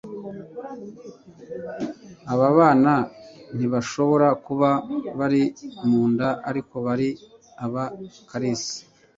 Aba bana ntibashobora kuba bari munda, ariko bari aba Kalisa.